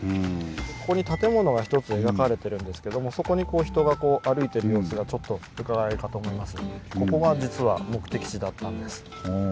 ここに建物が一つ描かれてるんですけどもそこに人が歩いてる様子がちょっとうかがえるかと思います。